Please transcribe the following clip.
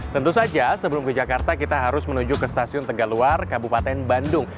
tentu saja sebelum ke jakarta kita harus menuju ke stasiun tegaluar kabupaten bandung